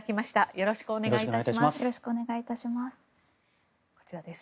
よろしくお願いします。